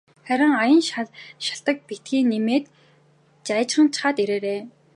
Харин аян шалтаг битгий нэмээд жайжганачхаад ирээрэй.